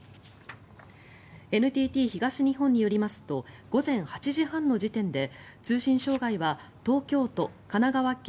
ＮＴＴ東日本によりますと午前８時半の時点で通信障害は東京都、神奈川県